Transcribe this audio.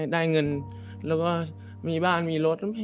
ได้เงินแล้วก็มีบ้านมีรถ